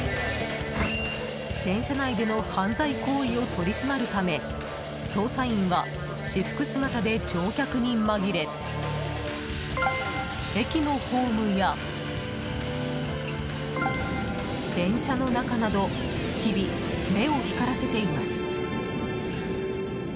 電車内での犯罪行為を取り締まるため捜査員は私服姿で乗客に紛れ駅のホームや電車の中など日々、目を光らせています。